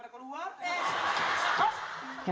orang artisnya pada keluar